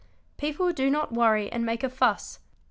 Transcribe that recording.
People donot worry and makea fuss.